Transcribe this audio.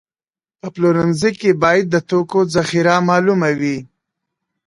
په پلورنځي کې باید د توکو ذخیره معلومه وي.